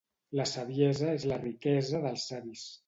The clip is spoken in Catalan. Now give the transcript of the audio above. La saviesa és la riquesa dels savis.